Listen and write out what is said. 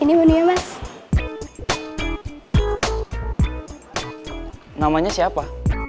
ini menyimpan namanya siapa